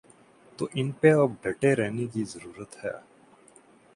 تو ان پہ اب ڈٹے رہنے کی ضرورت ہے۔